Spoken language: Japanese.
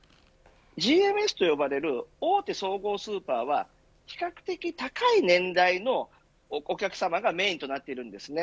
ＧＭＳと呼ばれる大手総合スーパーは比較的高い年代のお客さまがメーンとなっているんですね。